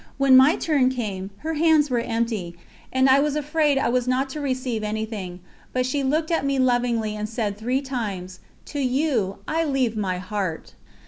When my turn came, her hands were empty, and I was afraid I was not to receive anything; but she looked at me lovingly, and said three times: "To you I leave my heart."